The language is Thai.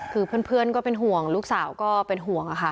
คือเพื่อนก็เป็นห่วงลูกสาวก็เป็นห่วงค่ะ